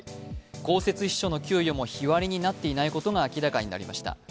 公設秘書の給与も日割りになっていないことが明らかになりました。